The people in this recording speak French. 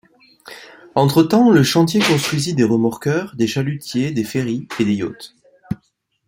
Entre-temps, le chantier construisit des remorqueurs, des chalutiers, des ferries et des yachts.